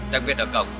đặc biệt ở cổng